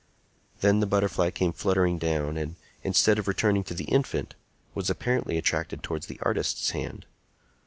Then the butterfly came fluttering down, and, instead of returning to the infant, was apparently attracted towards the artist's hand.